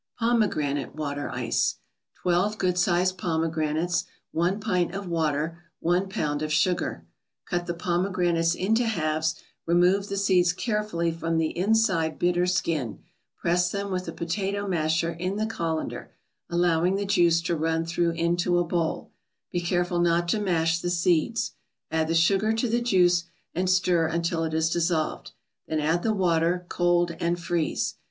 POMEGRANATE WATER ICE 12 good sized pomegranates 1 pint of water 1 pound of sugar Cut the pomegranates into halves, remove the seeds carefully from the inside bitter skin; press them with a potato masher in the colander, allowing the juice to run through into a bowl; be careful not to mash the seeds. Add the sugar to the juice and stir until it is dissolved; then add the water, cold, and freeze.